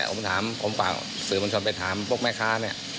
ผมถามสื่อปัญชนไปถามพวกแม้ค้าเนี่ย